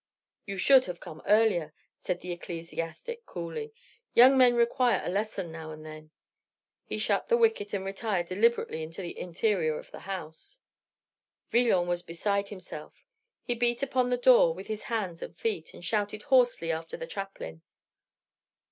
"You should have come earlier," said the ecclesiastic, coolly. "Young men require a lesson now and then." He shut the wicket and retired deliberately into the interior of the house. Villon was beside himself; he beat upon the door with his hands and feet, and shouted hoarsely after the chaplain.